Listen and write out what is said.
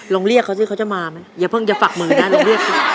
เรียกเขาสิเขาจะมาไหมอย่าเพิ่งจะฝักมือนะลองเรียกสิ